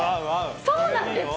そうなんです！